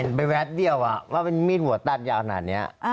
เห็นไปแวดเดียวว่ามีดหัวตัดยาวขนาดนี้